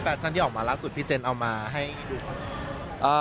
ชั่นที่ออกมาล่าสุดพี่เจนเอามาให้ดูครับ